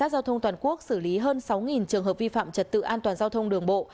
giao thông toàn quốc xử lý hơn sáu trường hợp vi phạm trật tự an toàn giao thông đường bộ